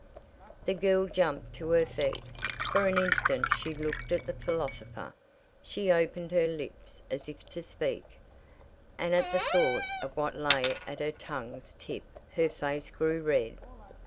The girl jumped to her feet; for an instant she looked at the philosopher. She opened her lips as if to speak, and at the thought of what lay at her tongue's tip her face grew red.